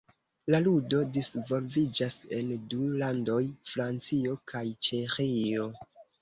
La ludo disvolviĝas en du landoj: Francio kaj Ĉeĥio.